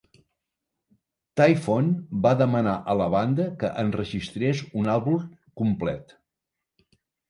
Tyfon va demanar a la banda que enregistrés un àlbum complet.